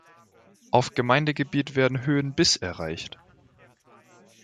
Auf Gemeindegebiet werden Höhen bis erreicht.